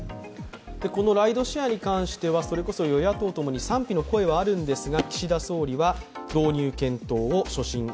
このライドシェアに関しては与野党ともに賛否の声があるんですが。